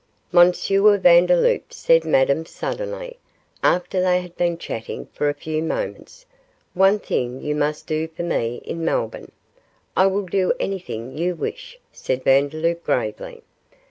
'M. Vandeloup,' said Madame, suddenly, after they had been chatting for a few moments, 'one thing you must do for me in Melbourne.' 'I will do anything you wish,' said Vandeloup, gravely.